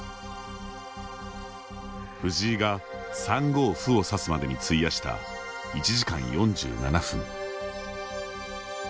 藤井が３五歩を指すまでに費やした１時間４７分。